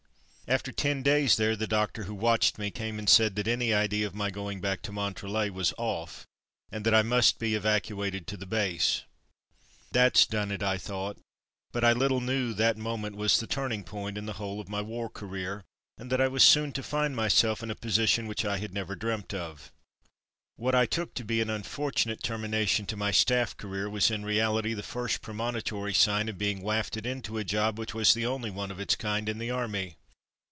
'' After ten days there the doctor who watched me came and said that any idea of my going back to Montrelet was "off,'' and that I must be "evacuated to the base." "That's done it," I thought; but I Httle knew that that moment was the turning point in the whole of my war career, and 132 Evacuated to Base i33 that I was soon to find myself in a position which I had never dreamt of. What I took to be an unfortunate ter mination to my staff career was in reahty the first premonitory sign of being wafted into a job which was the only one of its kind in the army.